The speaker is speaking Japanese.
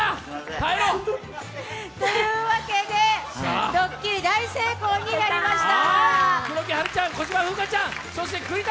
耐えろ！というわけで、ドッキリ大成功になりました。